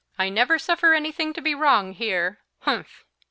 I never suffer anything to be wrong here humph!"